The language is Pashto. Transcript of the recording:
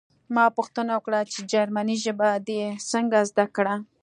ما پوښتنه وکړه چې جرمني ژبه دې څنګه زده کړه